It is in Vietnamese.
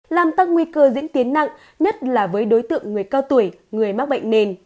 làm tăng nguy cơ diễn tiến nặng nhất là với đối tượng người cao tuổi người mắc bệnh nền